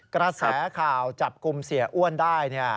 กระแสข่าวจับกลุ่มเสียอ้วนได้